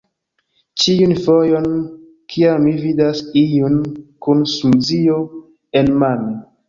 Ĉiun fojon kiam mi vidas iun kun smuzio enmane